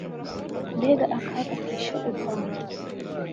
Mbega akaga kishe u Rwanda !